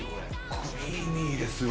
クリーミーですわ。